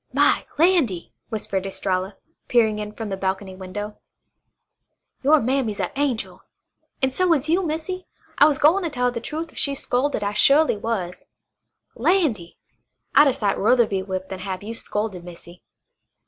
"My landy!" whispered Estralla, peering in from the balcony window. "Your mammy's a angel. An' so is you, Missy. I was gwine tell her the trufe if she'd scolded, I su'ly was. Landy! I'd a sight ruther be whipped than have you scolded, Missy."